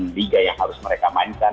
dan liga yang harus mereka mainkan